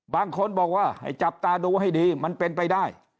บางคนบอกว่าให้จับตาดูให้ดีมันเป็นไปได้